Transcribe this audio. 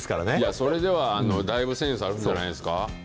それではだいぶセンスあるんじゃないですか。